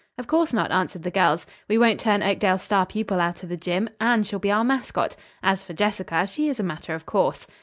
"Of course not," answered the girls. "We won't turn Oakdale's star pupil out of the gym. Anne shall be our mascot. As for Jessica, she is a matter of course."